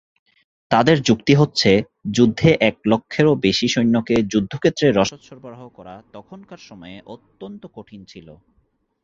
তাদের যুক্তি হচ্ছে যুদ্ধে এক লক্ষেরও বেশি সৈন্যকে যুদ্ধক্ষেত্রে রসদ সরবরাহ করা তখনকার সময়ে অত্যন্ত কঠিন ছিল।